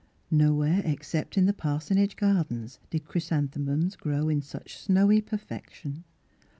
Nowhere except in the par sonage garden did chrysanthemums grow in such snowy perfection.